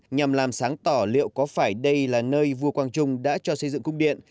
nhằm làm sáng tỏ liệu có phải đây là nơi vua quang trung đã cho xây dựng cung điện